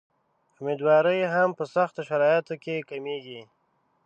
امیندواري هم په سختو شرایطو کې کمېږي.